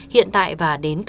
hiện tại và đến nay